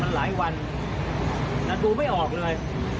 มันหลายวันแต่ดูไม่ออกเลย